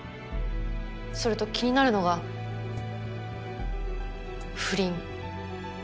それと気になるのが不倫。